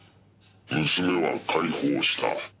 「娘は解放した」